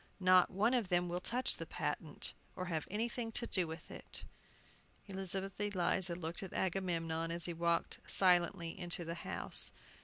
"Not one of them will touch the patent, or have anything to do with it." Elizabeth Eliza looked at Agamemnon, as he walked silently into the house.